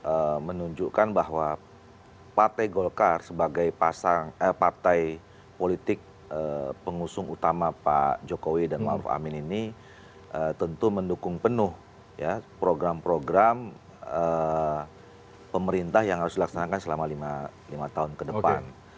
ini menunjukkan bahwa partai golkar sebagai partai politik pengusung utama pak jokowi dan ⁇ maruf ⁇ amin ini tentu mendukung penuh program program pemerintah yang harus dilaksanakan selama lima tahun ke depan